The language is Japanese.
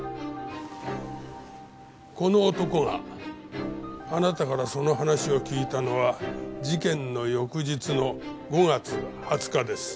この男があなたからその話を聞いたのは事件の翌日の５月２０日です。